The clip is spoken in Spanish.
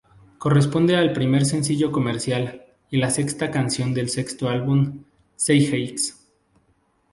Corresponde al primer sencillo comercial y la sexta canción del sexto álbum, "Zeitgeist".